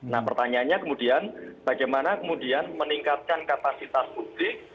nah pertanyaannya kemudian bagaimana kemudian meningkatkan kapasitas publik